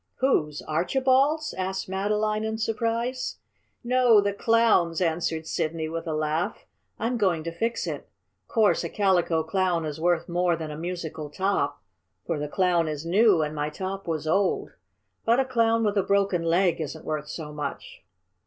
"Whose Archibald's?" asked Madeline, in surprise. "No, the Clown's," answered Sidney, with a laugh. "I'm going to fix it. Course a Calico Clown is worth more than a musical top, for the Clown is new and my top was old. But a Clown with a broken leg isn't worth so much."